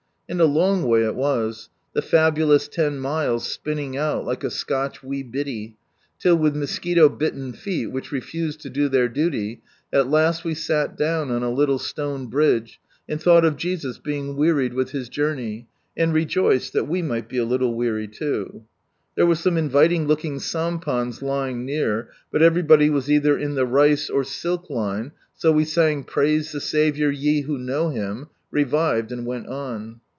And a long way It was — the fabulous ten miles spinning out like a Scotch "wee bittie" — till, wiih mosquito bitten feet, which refused to do their duly, at last we sat down on a little stone bridge and thought of Jesus being "wearied with His journey," and rejoiced that we might be a little weary too. There were some inviting looking sampans lying near, but everybody was either in the rice or silk line, so we sang " Praise the Saviour, ye who know Him," revived, and went on.